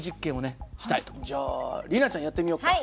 じゃあ里奈ちゃんやってみようか。